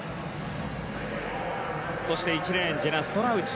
そして１レーンジェナ・ストラウチ。